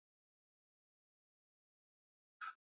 Pechenegs Uzy walikuja Anatolia kutoka Balkan Kama matokeo